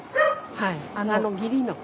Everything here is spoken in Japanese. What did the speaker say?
はい。